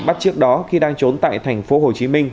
bắt trước đó khi đang trốn tại thành phố hồ chí minh